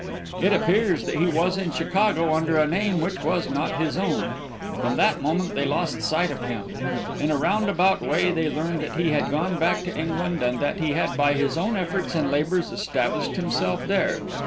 It appears that he was in Chicago under a name which was not his own. From that moment they lost sight of him. In a roundabout way they learned that he had gone back to England and that he had by his own efforts and labours established himself there.